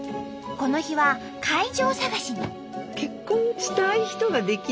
この日は会場探しに。